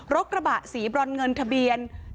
กระบะสีบรอนเงินทะเบียน